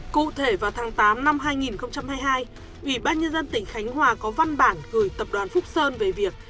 cụ thể vào tháng tám năm hai nghìn hai mươi hai ủy ban nhân dân tỉnh khánh hòa có văn bản gửi tập đoàn phúc sơn về việc